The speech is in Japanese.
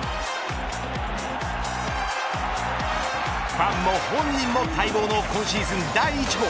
ファンも本人も待望の今シーズン第１号。